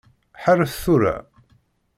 Ḥeṛṛet tura.